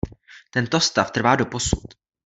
Tento stav trvá doposud.